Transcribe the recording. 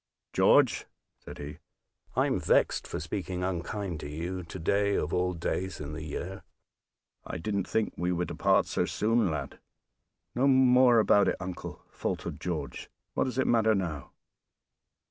"George," said he, "I'm vexed for speaking unkind to you to day of all days in the year; I didn't think we were to part so soon, lad." "No more about it, uncle," faltered George; "what does it matter now?"